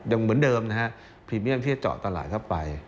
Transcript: ยังเหมือนเดิมนะฮะพรีเมียมที่จะเจาะตลาดเข้าไป